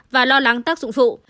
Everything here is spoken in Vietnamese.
và lo lắng tác dụng phụ